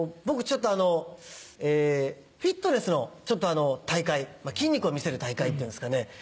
僕ちょっとフィットネスの大会筋肉を見せる大会っていうんですかね